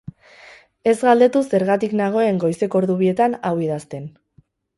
Ez galdetu zergatik nagoen goizeko ordu bietan hau idazten.